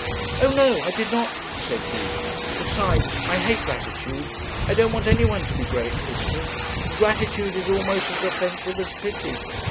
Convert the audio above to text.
'O no, I did not,' said he; 'besides, I hate gratitude. I don't want any one to be grateful to me. Gratitude is almost as offensive as pity.